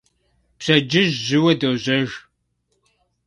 Пщэдджыжь жьыуэ дожьэж.